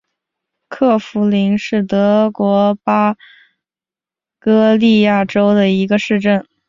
克弗灵是德国巴伐利亚州的一个市镇。